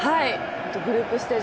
グループステージ